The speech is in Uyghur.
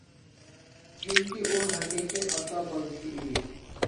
چۈنكى ئۇ ھەقىقىي ئاتا بالىسى ئىدى.